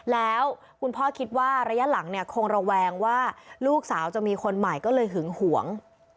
แล้วคุณพ่อคิดว่าระยะหลังเนี่ยคงระแวงว่าลูกสาวจะมีคนใหม่ก็เลยหึงหวง